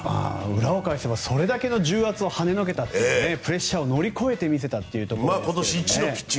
裏を返せばそれだけの重圧をはねのけたプレッシャーを乗り越えてみせたと。